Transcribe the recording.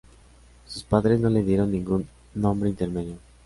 Sus padres no le dieron ningún nombre intermedio.